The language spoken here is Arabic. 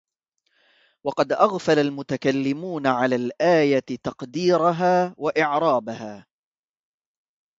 وَقَدْ أَغْفَلَ الْمُتَكَلِّمُونَ عَلَى الْآيَةِ تَقْدِيرَهَا وَإِعْرَابَهَا